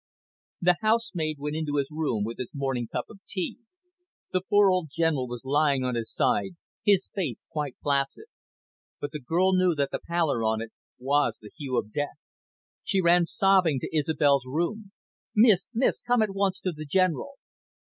The housemaid went into his room with his morning cup of tea. The poor old General was lying on his side, his face quite placid. But the girl knew that the pallor on it was the hue of death. She ran sobbing to Isobel's room. "Miss, miss! Come at once to the General."